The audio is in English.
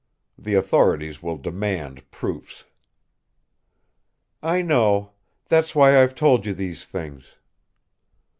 The authorities will demand proofs." "I know. That's why I've told you these things."